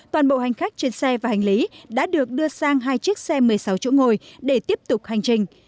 toàn bộ hành khách trên xe và hành lý đã được đưa sang hai chiếc xe một mươi sáu chỗ ngồi để tiếp tục hành trình